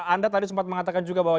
anda tadi sempat mengatakan juga bahwa